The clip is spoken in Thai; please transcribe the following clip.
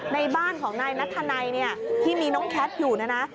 ในบ้านของนายนัทธนัยเนี่ยที่มีน้องแคทอยู่นะนะ